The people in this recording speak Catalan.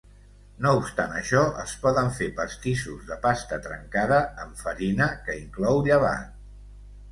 No obstant això, es poden fer pastissos de pasta trencada amb farina que inclou llevat.